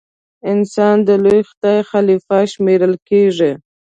انسان د لوی خدای خلیفه شمېرل کیږي.